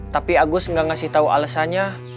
tapi agus gak ngasih tau alesannya